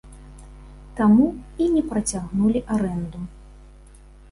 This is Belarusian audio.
Таму і не працягнулі арэнду.